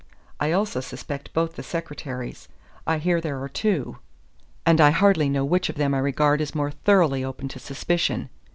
I also suspect both the secretaries I hear there are two, and I hardly know which of them I regard as more thoroughly open to suspicion.